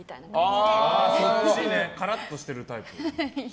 カラッとしているタイプ。